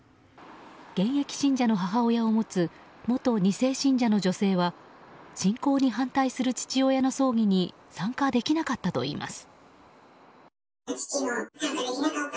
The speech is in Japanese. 現役信者の母親を持つ元２世信者の女性は信仰に反対する父親の葬儀に参加できなかったといいます。